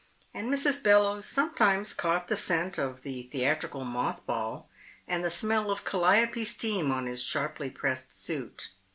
And Mrs. Bellowes sometimes caught the scent of the theatrical mothball and the smell of calliope steam on his sharply pressed suit.